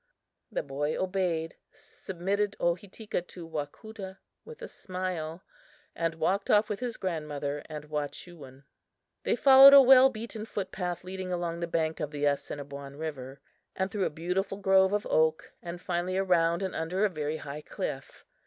The boy obeyed, submitted Ohitika to Wacoota with a smile, and walked off with his grandmother and Wahchewin. They followed a well beaten foot path leading along the bank of the Assiniboine river, through a beautiful grove of oak, and finally around and under a very high cliff.